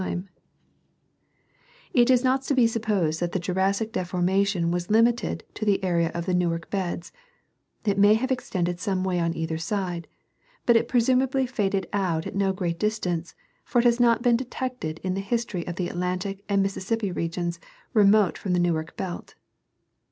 197 It is not to be supposed that the Jurassic deformation was limited to the area of the Newai'k beds ; it may have extended some way on either side ; but it presumably faded out at no great distance, for it has not been detected in the history of the Atlantic and Mississippi regions remote from the Newark belt.